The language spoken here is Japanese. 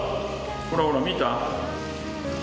ほらほら見た？